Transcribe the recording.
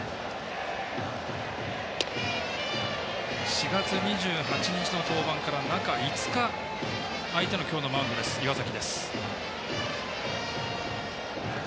４月２８日の登板から中５日空いての今日のマウンドです、岩崎。